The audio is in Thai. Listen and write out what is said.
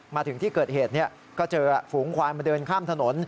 มาถึงที่เกิดเหตุก็เจอฝูงควายมาเดินข้ามถนน